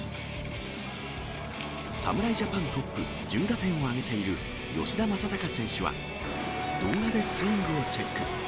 侍ジャパントップ、１０打点を挙げている吉田正尚選手は、動画でスイングをチェック。